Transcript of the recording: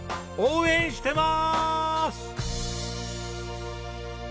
応援してます！